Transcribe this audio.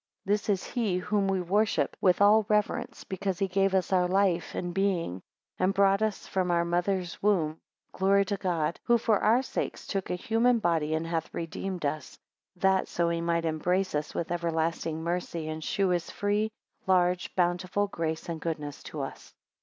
5 This is he whom we worship with all reverence, because he gave us our life and being, and brought us from our mother's womb, Glory to God, 6 Who, for our sakes, took a human body, and hath redeemed us, that so he might embrace us with everlasting mercy, and shew his free, large, bountiful grace and goodness to us.